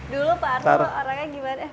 dulu farsul orangnya gimana